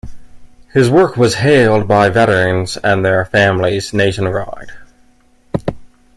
His work was hailed by veterans and their families nationwide.